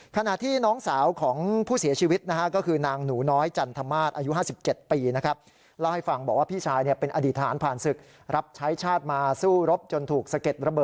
ขณะที่น้องสาวของผู้เสียชีวิตนะฮะก็คือนางหนูน้อยจันทมาสอายุ๕๗ปีนะครับ